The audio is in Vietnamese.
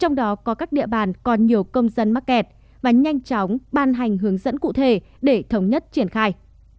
trong đó có các địa bàn còn nhiều công dân mắc kẹt và nhanh chóng ban hành hướng dẫn cụ thể để thống nhất triển khai